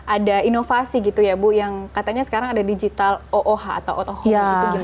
ada inovasi gitu ya bu yang katanya sekarang ada digital ooh atau out of home